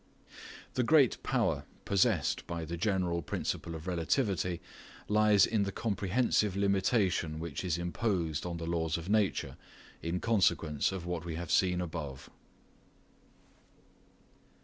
The great power possessed by the general principle of relativity lies in the comprehensive limitation which is imposed on the laws of nature in consequence of what we have seen above.